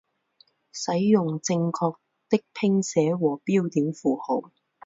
使用正确的拼写和标点符号